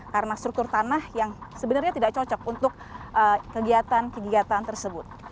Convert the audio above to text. karena struktur tanah yang sebenarnya tidak cocok untuk kegiatan kegiatan tersebut